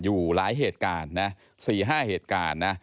อยู่หลายเหตุการณ์สี่ห้าเหตุการณ์